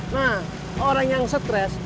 nah orang yang stres